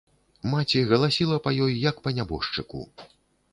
Маці галасіла па ёй, як па нябожчыку.